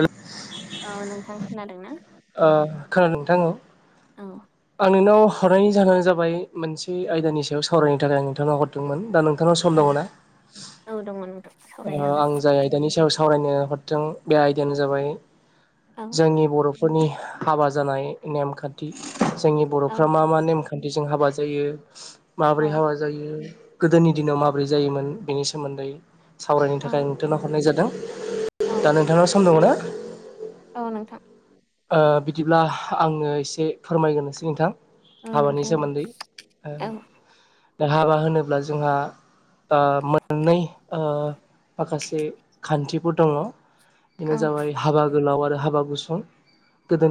ओ औ नोंथां खोनादोंना? ओ खोनादों नोंथा औ। औ आं नोंनाव हरनायनि जाहोनानो जाबाय मोनसे आयदानि सायाव सावरायनो थाखाय आं नोंथांनाव हरदोंमोन। दा नों नोंथांनाव सम औ दङ ना? औ दङ नोंथां सावरायनो हागोन आं जाय आयदानि सायाव सावरायनो हरदों बे आयदायानो जाबाय जोंनि बर' [unintelligible] हाबा जानाय नेमखान्थि जोंनि औ बर'फ्रा मा- मा नेमखान्थि खान्थिजों हाबा जायो माबोरै हाबा जायो? गोदोनि दिनाव माबोरै जायोमोन? बेनि सोमोन्दै सावरायनो औ थाखाय नोंथाव हरनाय जादों। औ दा नोंथांनाव सम दङ ना? औ नोंथां ओ बिदिब्ला आङो एसे फोरमायग्रोनोसै नोंथां। औ हाबानि नोंथां दे सोमोन्दै, औ दा हाबा होनोब्ला जोंहा ओ मोननै ओ माखासे खान्थिफोर दङ। बेनो औ जाबाय हाबा गोलाव आरो हाबा गुसुं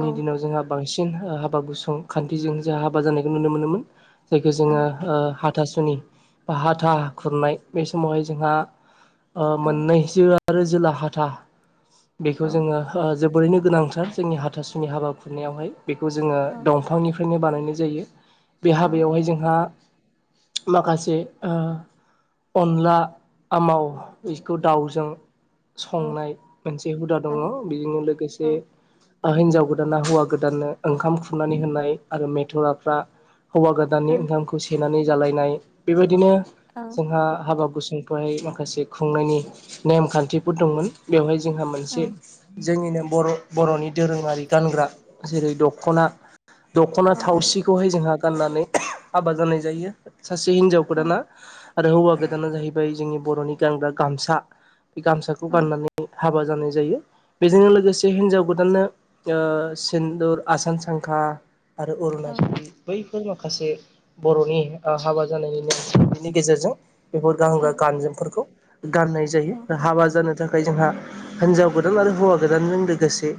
औ दिनाव जोंहा बांसिन हाबा गुंसुं खान्थिजों जों हाबा जानायखौ नुनो मोनोमोन। जायखौ जोङो हाथासुनि बा हाथा खुरनाय, बे समावहाय जोंहा ओ औ मोननै [unintelligible] आरो जोला हाथा औ बेखौ जोङो जोबोरैनो गोनांथार जोंनि हाथासुनि हाबा खुनायावहाय बेखौ जोङो औ दंफांनिफ्रायनो बानायनाय जायो। बे हाबायावहाय जोंहा माखासे ओ अनला आमाव बेखौ दाउजों औ संनाय मोनसे हुदा दङ। बेजोंनो लोगोसे हिनजाव गोदाना हौवा गोदाननो ओंखाम खुरनानै होनाय आरो मेथ'राफ्रा हौवा गोदाननि ओंखामखौ सेेनानै जालायनाय बेबायदिनो जोंहा हाबा गुसुंफोरहाय माखासे खुंनायनि नेम खान्थिफोर दंमोन। बेवहाय जोंहा मोनसे जोंनिनो बर'- बर'नि दोरोङारि गानग्रा जेरै दख'ना -दख'ना थावसिखौहाय जोंहा गाननानै हाबा जानाय जायो, सासे हिनजाव गोदाना। आरो हौवा गोदाना जाहैबाय जोंनि बर'नि गानग्रा गामसा बे गामसाखौ गाननानै हाबा जानाय जायो। बेजोंनो लोगोसे हिन्जाव गोदाननो ओ सिन्दुर, आसान सांखा आरो [unintelligible] बेफोर माखासे बर'नि हाबा जानायनि [unintelligible] गेजेरजों बेफोर गानग्रा -गानजोमफोरखौ गाननाय जायो। हाबा जानो थाखाय ओमफ्राय जोंहा हिनजाव गोदान आरो हौवा गोदानजों लोगोसे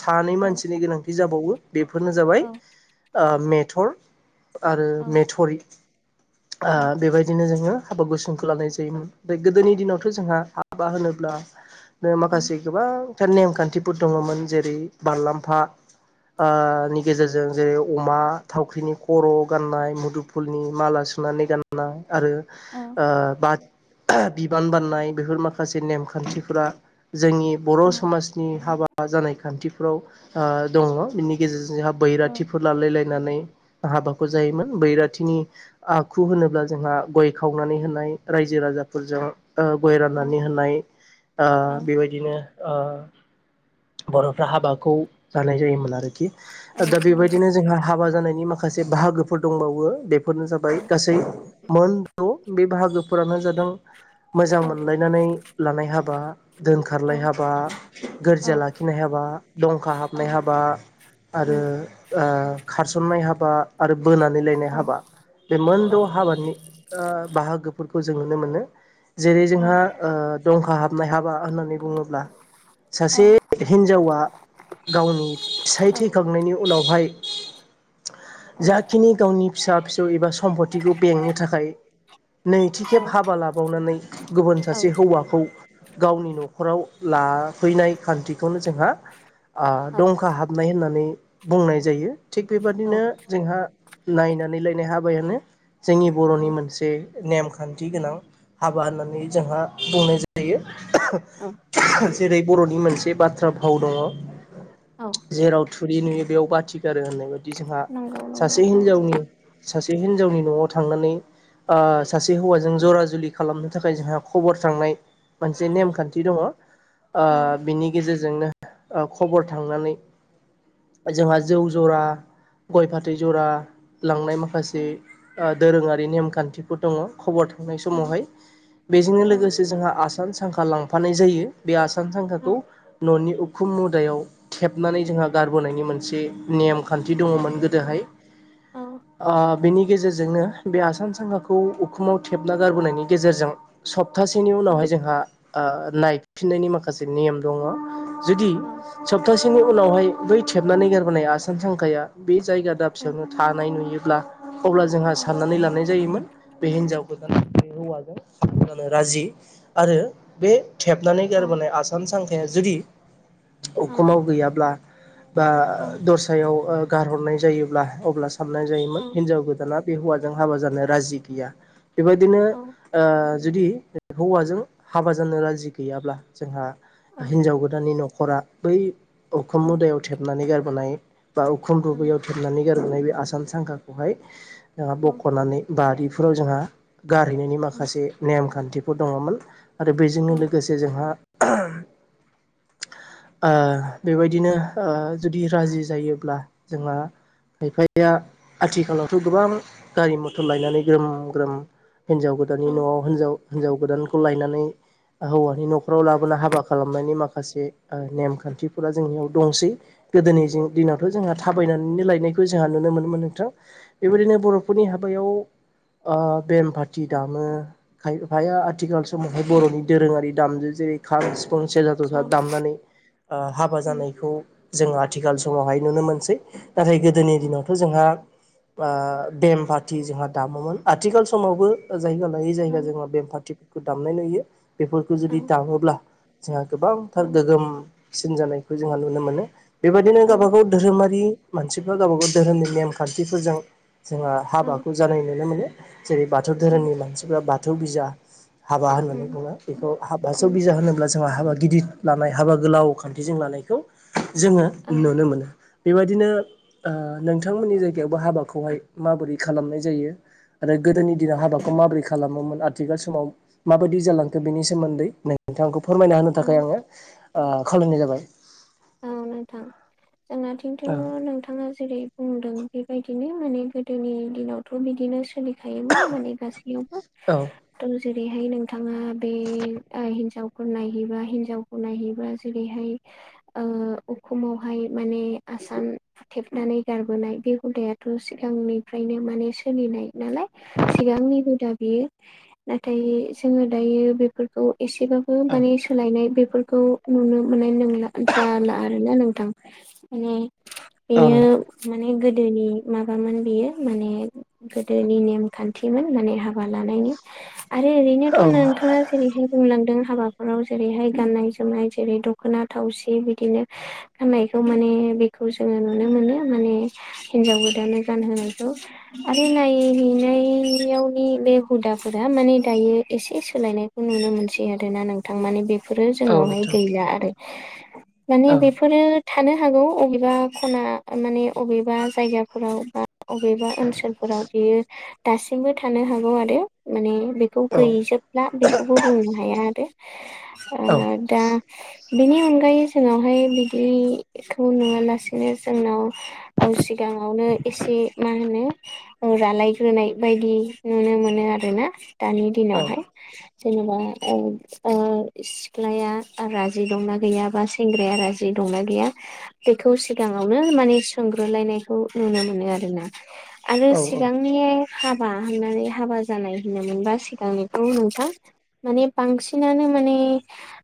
सानै मानसिनि गोनांथि [unintelligible] जाबावो बेफोरनो जाबाय मेथर आरो मेथरि। बेबायदिनो जोङो हाबा गुसुंखौ लानाय जायोमोन। गोदोनि दिनावथ' जोंहा हाबा होनोब्ला माखासे गोबांथार नेमखान्थिफोर दङमोन जेरै बालाम्फा [unintelligible] गेजेरजों जेरै अमा थावख्रिनि खर' गाननाय, मुदुफुलनि माला [unintelligible] सुनानै गाननाय आरो ओ [unintelligible] बिबान बाननाय, बेफोर माखासे नेमखान्थिफोरा जोंनि बर' समाजनि हाबा जानाय खान्थिफ्राव ओ दङ। बिनि गेजेरजों जोंहा बैराथिफोर लालाय लायनानै हाबाखौ जायोमोन। बैराथिनि आखु होनोब्ला जोंहा गय खावनानै होनाय रायजो-राजाफोरजों गय राननानै होनाय ओ बेबायदिनो ओ बर'फ्रा हाबाखौ जानाय जायोमोन आरोखि। दा बेबायदिनो जोंहा हाबा जानायनि माखासे बाहागोफोर दंबावो बेफोरनो जाबाय गासै मोन द'। बे बाहागोफोरानो जादों मोजां मोनलायनानै लानाय हाबा, दोनखारलाय हाबा [unintelligible] लाखिनाय हाबा, दंखा हाबनाय हाबा आरो खारसननाय हाबा आरो बोनानै लायनाय हाबा बे मोनद' हाबानि बाहागोफोरखौ [unintelligible] जों नुनो मोनो जेरै जोंहा दंखा हाबनाय हाबा होननानै बुङोब्ला सासे हिनजावा गावनि फिसाय थैखांनायनि उनावहाय जाखिनि गावनि फिसा फिसौ एबा सम्पतिखौ बेंनो थाखाय नैथि खेब हाबा लाबावनानै गुबुन औ सासे हौवाखौ गावनि न'खराव लाफैनाय खान्थिखौनो जोंहा औ दंखा हाबनाय होननानै बुंनाय जायो। थिग बेबादिनो औ जोंहा नायनानै लायनाय हाबायानो जोंनि बर'नि औ मोनसे नेमखान्थि गोनां हाबा होननानै जोंहा बुंनाय जायो। औ जेरै बर'नि मोनसे बाथ्रा भाव दङ'। औ जेराव थुरि नुयो बेयाव बाथि गारो होननाय बायदि जोंहा नंगौ नंगौ सासे औ हिनजावनि सासे हिनजावनि न'आव थांनानै ओ सासे हौवाजों जरा जुलि खालामनो थाखाय जोंहा खबर थांनाय मोनसे नेमखान्थि दङ'। ओ औ बिनि गेजेरजोंनो खबर थांनानै जोंहा जौ जरा गय फाथै जरा लांनाय औ माखासे ओ दोरोङारि नेमखान्थिफोर दङ'। खबर थांनाय औ समावहाय बेजोंनो औ लोगोसे जोंहा आसान सांखा लांफानाय जायो। बे आसा सान औ सांखाखौ ननि उखुम मुदायाव थेबनानै जोंहा गारबोनायनि मोनसे नेम खान्थि औ दङ'मोन गोदोहाय। औ आ बेनि गेजेरजोंनो बे आसान सांखाखौ उखुमाव थेबना गारबोनायनि गेजेरजों सब प्तासेनि औ उनावहाय जोंहा आ नायफिननायनि माखासे नियम दङ'। जुदि औ सप्तासेनि उनावहाय बै थेबनानै गारबोनाय आसामान सांखाया बे जायगा औ दाबसेयावनो थानाय नुयोब्ला अब्ला जोंहा साननानै लानाय जायोमोन बे हिनजावखौ बे हौवाजों जानो राजि आरो बे थेबनानै गारबोनाय आसामान सांखाया जुदि उखुमाव गैयाब्ला बा दस्रायाव गारहरनाय जायोब्ला अब्ला साननाय जायोमोन हिनजाव गोदाना बे हौवाजों हाबा जानो राजि गैया। बेबायदिनो ओ जुदि हौवाजों हाबा जानो राजि गैयाब्ला जोंहा हिनजाव गोदाननि न' खरा बै उखुम मुदायाव थेबनानै गारबोनाय बा उखुम दुबैयाव थेबनानै गारबोनाय बे आसान सांखाखौहाय जोंहा औ बख'नानै बारिफोराव जोंहा गारहैनायनि उम माखासे नेम खान्थिफोर दङ'मोन आरो बेजोंनो उम लोगो गोसे जोंहा ओ बेबायदिनो ओ जुदि राजि जायोब्ला जोंहा खायफाया आथिखालावथ' गोबां गारि मथर लायनानै ग्रोम ग्रोम हिनजाव गोदाननि न'आव होनजाव हिनजाव गोदानखौ लायनानै ओ हौवानि न' खराव लाबोना हाबा खालामनायनि माखासे ओ नेमखान्थिफोरा जोंनियाव दंसै। गोदोनि जिं दिनावथ' जोंहा थाब फैनानैनो लायनायखौ जोंहा नुनो मोनोमोन नोंथां। बेबायदिनो बर'फोरनि हाबायाव ओ बेम पाटि उम दामो खायफाया आथिखाल समावहाय बर'नि दोरोङारि दामजु जेरै खाम, सिफुं, सेरजा, जथा दामनानै ओ हाबा जानायखौ जों आथिखाल समावहाय नुनो मोनसै। नाथाय गोदोनि दिनावथ' जोंहा बा बेमफाथि जोंहा दामोमोन। आथिखाल समावबो ओ जायगा लायै जायगा जोंहा बेम फाटिफोरखौ दामनाय नुयो। बेफोरखौ जुदि दामोब्ला जोंहा गोबांथार गोग्गोमसिन जानायखौ जोंहा नुनो मोनो। बेबायदिनो गावबागाव धोरोमारि मानसिफ्रा गावबा गाव धोरोमनि नेमखान्थिफोरजों जोंहा हाबाखौ जानाय नुनो मोनो। जेरै बाथौ धोरोमनि मानसिफ्रा बाथौ बिजा हाबा होननानै बुङो बेखौ हाब जौ बिजा होनोब्ला जोंहा हाबा गिदिर लानाय हाबा गोलाव खान्थिजों लानायखौ जोङो औ औ नुनो मोनो। बेबायदिनो ओ नोंथांमोननि जायगायावबो हाबाखौहाय माबोरै खालामनाय जायो आरो गोदोनि दिनाव हाबाखौ माबोरै खालामोमोन आथिखाल समाव माबायदि जालांखो बेनि सोमोन्दै नोंथांखौ फोरमायना होनो औ थाखाय आङो खावलायनाय जाबाय औ नोंथां जोंनाथिंथ औ नोंथाङा जेरै बुंदों बेबायदिनो माने गोदोनि दिनावथ बिदिनो सोलि योमोन माने औ गासैयावबो जेरैहाय नोंथाङा बे हिनजावफोर नायहैबा हिनजावखौ नायहैबा जेरैहाय [inaudible] उखमावहाय माने आसान बुथेबनानै गायबोनाय बे हुदायाथ' सिगांनिफ्राय बेनो माने सोलिनाय नालाय सिगांनि हुदा बियो नाथाय जोङो दायो बेफोरखौ एसेबाबो माने औ सोलायनाय बेफोरखौ नुनो मोननाय नंला जाला आरोना नोंथां उम नों माने बेयो माने गो दोनि माबामोन बियो माने गोदोनि नेमखान्थिमोन माने हाबा लानायनि आरो ओरैनोथ' औ नोंथाङा जेरैहाय बुंलांदों हाबाफोराव जेरैहाय गाननाय जोमनाय जेरै दख'ना थावसि बिदिनो फनायखौ माने बेखौ जोङो नुनो मोनो माने हिनजाव गो दाननो गानहोनायखौ आरो नायहैनायावनि बे हुदाफोरा माने दायो एसे सोलायनायखौ नुनो मोनसै आरोना नोंथां माने बेफोरो औ जोंनावहाय नोंथां गैला आरो माने औ बेफोरो थानो हागौ अबेबा खना माने अबेबा जायगाफोराव बा अबेबा ओनसोलफोर फोराव बेयो दासिमबो थानो हागौ आरो माने बेखौ औ गैजोबला बेखौबो बुंनो हाया आरो ओ दा बिनि अनगायै जोंहा हाय बिदिखौ नुवालासेनो जोंनाव ओ सिगां सिगाङावनो एसे मा होनो रालायग्रोनाय बायदि नुनो मोनो आरोना ना दानि दिनावहाय जेनेबा ओ सिख्लाया रा जि दंना गैयाबा सेंग्राया राजि दंना गैया बेखौ सिगाङावनो माने सोंग्रोलायनाय खौ नुनो मोनो आरोना आरो औ सिगांनि हाबा होननानै हाबा जानाय होनोमोनबा सिगांनिखौ नोंथां माने बांसिनानो माने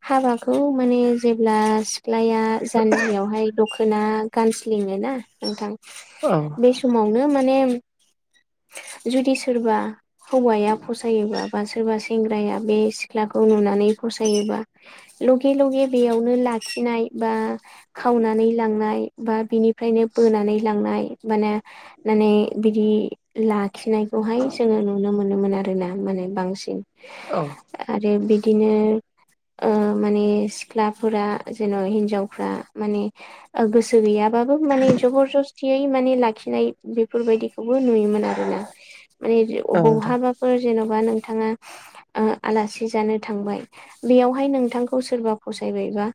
हाबा बेखौ माने जेब्ला सिख्लाया जानजियावहाय दखोना गानसलिङो ना नोंथां बे औ समावनो माने जुदि सोरबा हौवाया फसायोबा बा सोरबा सेंग्राया बे सिख्लाखौ नुनानै फसायोबा लगे लगे बेयावनो लाखिनाय बा खावनानै लांनाय बा बिनि फ्रायनो बोनानै लांनाय माने माने बिदि लाखिनायखौहाय जोङो नुनो मोनोमोन आरो ना बांसिन आरो बिदिनो ओ माने सिख्लाफोरा जेन' हिनजावफ्रा माने गोसो गैया बाबो माने जबर जस्तियै माने लाखिनाय बेफोरबायदिखौबो नुयोमोन आरो ना माने औ नोंथां बहाबाफोर जेन' बा नोंथाङा ओ आलासि जानो थांबाय बेयावहाय नोंथां सोरबा फसायबायबा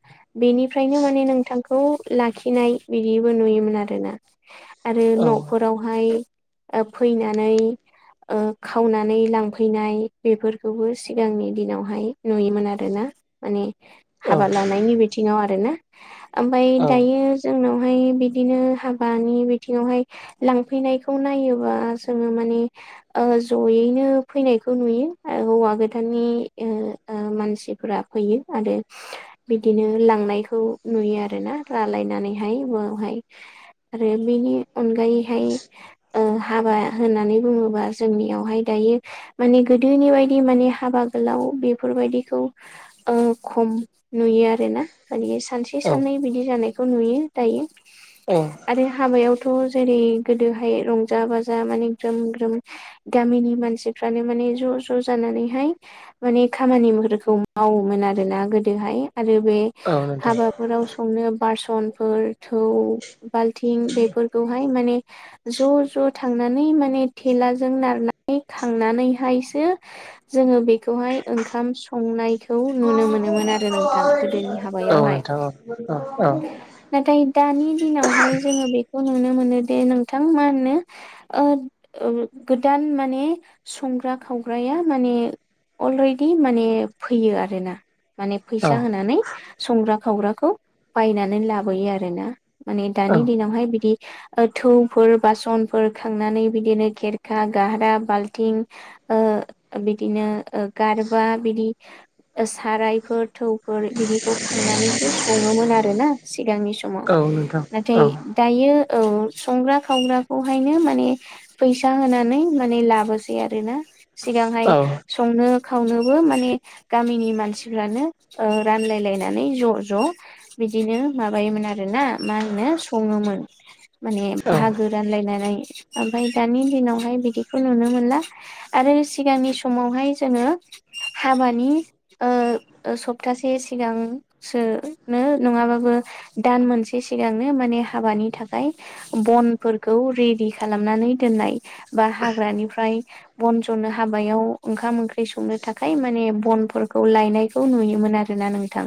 बेनिफ्रायनो माने नोंथां खौ लाखिनाय बिदिबो नुयोमोन आरोना आरो औ न'फोरावहाय ओ फैनानै ओ खावनानै लांफैनाय बेफोरखौबो सिगांनि दिनावहाय नुयोमोन आरोना माने औ हाबा लानायनि बिथिङाव आरो ना ओमफाय औ दायो जोंनाव ओमफाय बिदिनो हाबानि बिथिङावहाय लांफैनायखौ नायोबा जोङो माने ओ जयैनो फैनायखौ नुयो हौवा गोदाननि ओ मानसिफ्रा फयो आरो बिदिनो लांनायखौ नुयो आरोना रालायनानै हाय बवावहाय आरो बेनि अनगायैहाय ओं हाबा होननानै बुङोबा जों जोंनियावहाय दायो माने गोदोनि बायदि माने हाबा गोलाव बेफोरबायदिखौ ओ खम नुयो आरोना माने सानसे औ साननै बिदि जानायखौ नुयो दायो औ आरो हाबायावथ' जेरै गोदोहाय रंजा बाजा माने ग्रोम-ग्रोम गामिनि मानसिफ्रानो माने ज ज'-ज' जानानैहाय माने खामानिफोरखौ माव समोन आरोना गोदोहाय आरो बे औ नोंथां हाबाफोराव संनो बासनफोर थौ बाल्थिं बेफोरखौहाय माने ज' ज' थांनानै माने थेलाजों नारनानै थांनानैहायसो जोङो बेखौहाय ओंखाम सं नुनो मोनोमोन आरो नोंथां गोदोनि औ हाबायावहाय। नोंथां औ औ नाथाय दानि दिनावहाय जोङो बेखौ नुनो मोनो दि नोंथां मा होनो ओ गोदान माने संग्रा खावग्राया माने अलरेडि माने फैयो आरोना माने औ फैसा होनानै संग्रा खावग्रा खौ बायनानै लाबोयो आरोना माने औ दानि दिनावहाय बिदि थौफोर बासनफोर खांनानै बिदिनो खेरखा, गाह्रा, बाल्थिं ओ बिदिनो गारबा बिदि सारायफोर थौफोर बिदिखौ खांनानैसो सङोमोन आरोना सिगांनि समाव। औ नोंथां नाथाय औ दायो ओ संग्रा खावग्राखौहायनो माने फैसा होनानै माने लाबोसै आरोना। सिगांहाय औ संनो खावनोबो माने गामिनि मानसिफ्रानो रानलायलायनानै ज' ज' बिदिनो माबायोमोन आरोना मा होनो सङोमोन, माने औ बाहागो रानलायनानै ओमफ्राय दानि दिनावहाय बिदिखौ नुनो मोनला। आरो सिगांनि समावहाय जोङो हाबानि ओ सप्तासे सिगांसोनो नङाबाबो दान मोनसे सिगांनो माने हाबानि थाखाय बनफोरखौ रेडि खालामनानै दोनाय बा हाग्रानिफ्राय बन जोंनो हाबायाव ओंखाम ओंख्रि संनो थाखाय। माने बनफोरखौ लायनायखौ नुयोमोन आरोना नोंथां।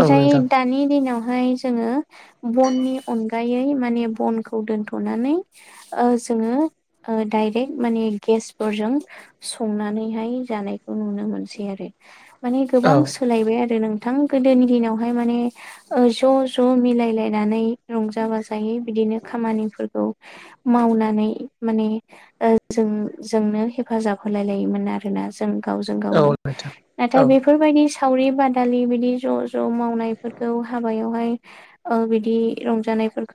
औ नोंथां दानि दिनावहाय जोङो बननि अनगायै माने बनखौ दोनथ'नानै ओ जोङो दायरेक्ट माने गेसफोरजों संनानैहाय जानाय नुनो मोनसै आरो माने औ गोबां सोलायबाय आरो नों गोदोनि दिनावहाय माने ज' ज' मिलायलायनानै रंजा बाजा जायो बिदिनो खामानिफोरखौ मावनानै माने जों जोंनो हेफाजाब होलाय लायोमोन आरोना जों गावजों औ गावनो नोंथां नाथाय औ बेफोरबायदि सावरि बादालि बिदि ज' ज' माव मावनायफोरखौ हाबायावहाय बिदि रंजानायफोरखौ